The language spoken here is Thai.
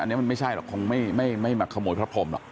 อันนี้มันไม่ใช่หรอกคงไม่มาขโมยพระพรมหรอก